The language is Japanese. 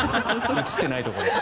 映っていないところで。